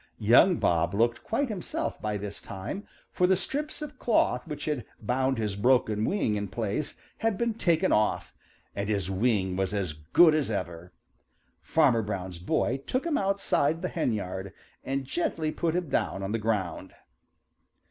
Young Bob looked quite himself by this time, for the strips of cloth which had bound his broken wing in place had been taken off, and his wing was as good as ever. Fanner Brown's boy took him outside the henyard and gently put him down on the ground.